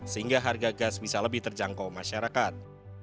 sehingga harga gas bisa lebih terjangkau masyarakat